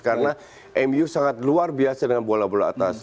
karena mu sangat luar biasa dengan bola bola atas